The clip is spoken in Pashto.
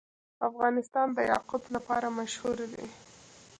افغانستان د یاقوت لپاره مشهور دی.